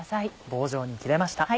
棒状に切れました。